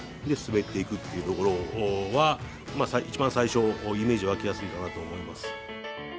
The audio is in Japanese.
で滑っていくっていうところは一番最初イメージ湧きやすいかなって思います。